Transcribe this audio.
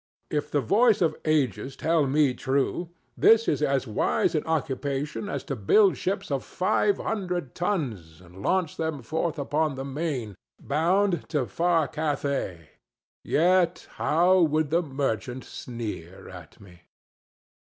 If the voice of ages tell me true, this is as wise an occupation as to build ships of five hundred tons and launch them forth upon the main, bound to "Far Cathay." Yet how would the merchant sneer at me!